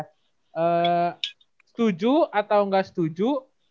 setuju atau enggak setuju